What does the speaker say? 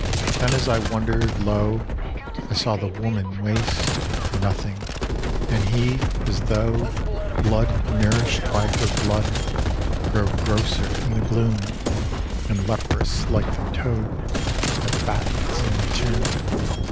Then as I wonder'd, lo! I saw the Woman waste To nothing; and he, as tho' Blood nourisht by her blood, Grow grosser in the gloom And leprous like the toad That battens in the tomb.